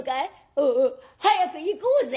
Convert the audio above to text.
おうおう早く行こうぜ」。